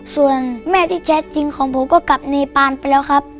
ส่วนแม่ที่แท้จริงของผมก็กลับเนปานไปแล้วครับ